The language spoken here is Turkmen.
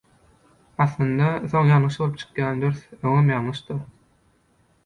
Aslynda, soň ýalňyş bolup çykýan dürs, öňem ýalňyşdyr